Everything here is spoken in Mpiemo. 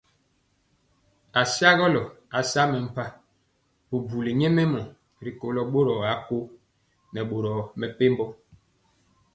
Asagɔlɔ asa mempa bubuli nyɛmemɔ rikolo bori akõ nɛ boro mepempɔ.